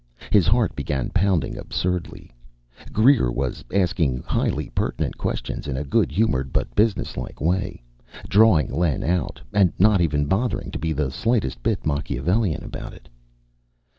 His heart began pounding absurdly; Greer was asking highly pertinent questions in a good humored but businesslike way drawing Len out, and not even bothering to be the slightest bit Machiavellian about it.